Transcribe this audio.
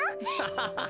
ハハハハ。